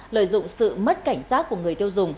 lợi dụng sự mất cảnh giác của người tiêu dùng